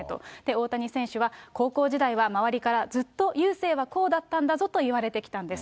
大谷選手は、高校時代は周りからずっと雄星はこうだったんだぞと言われてきたんです。